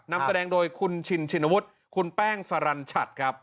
นำแสดงโดยคุณชินชินวุฒิคุณแป้งสรรชัดครับ